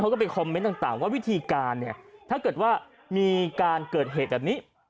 ไปคอมเมนต์ต่างว่าวิธีการเนี่ยถ้าเกิดว่ามีการเกิดเหตุแบบนี้